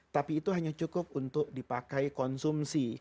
tapi itu hanya cukup untuk dipakai konsumsi